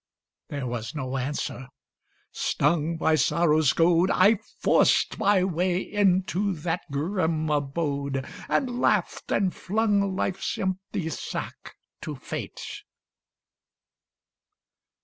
There was no answer. Stung by sorrow's goad I forced my way into that grim abode, And laughed, and flung Life's empty sack to Fate.